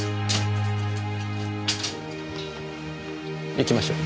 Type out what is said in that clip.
行きましょう。